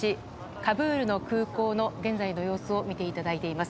カブールの空港の現在の様子を見ていただいています。